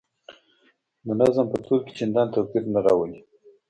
د نظم په تول کې چنداني توپیر نه راولي.